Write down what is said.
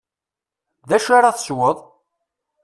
D acu ara tesweḍ?